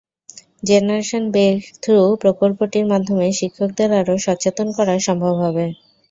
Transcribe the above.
Generation breakthrough প্রকল্পটির মাধ্যমে শিক্ষকদের আরও সচেতন করা সম্ভব হবে।